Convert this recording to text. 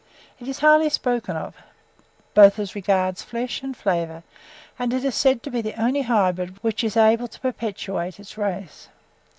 It is highly spoken of, both as regards flesh and flavour; and it is said to be the only hybrid which is able to perpetuate its race.